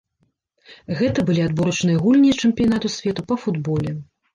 Гэта былі адборачныя гульні чэмпіянату свету па футболе.